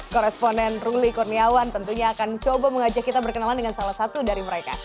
koresponen ruli kurniawan tentunya akan coba mengajak kita berkenalan dengan salah satu dari mereka